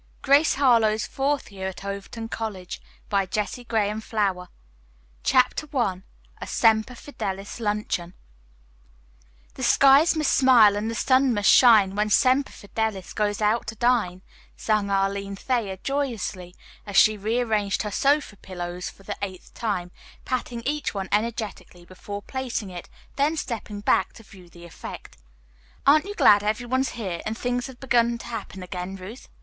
Grace Harlowe's Fourth Year at Overton College CHAPTER I A SEMPER FIDELIS LUNCHEON "The skies must smile and the sun must shine When Semper Fidelis goes out to dine," sang Arline Thayer joyously as she rearranged her sofa pillows for the eighth time, patting each one energetically before placing it, then stepping back to view the effect. "Aren't you glad every one's here, and things have begun to happen again, Ruth?"